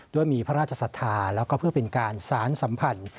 ด้วยมีพระราชศรัทธาแล้วก็เพื่อเป็นการสารสัมพันธ์